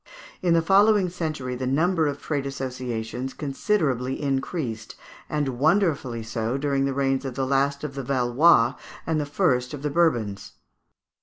In the following century the number of trade associations considerably increased, and wonderfully so during the reigns of the last of the Valois and the first of the Bourbons.